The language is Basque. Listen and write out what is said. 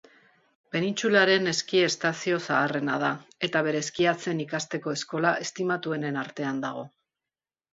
Penintsularen eski estazio zaharrena da eta bere eskiatzen ikasteko eskola estimatuenen artean dago.